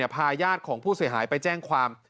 พาญาติของผู้เสียหายไปแจ้งความ